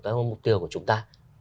các mục tiêu của chúng ta